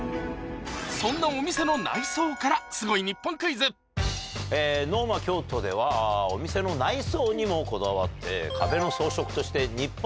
そんなお店の内装からＮｏｍａＫｙｏｔｏではお店の内装にもこだわって。